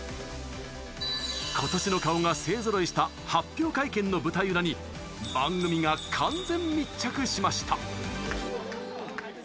今年の顔が勢ぞろいした発表会見の舞台裏に番組が完全密着しました。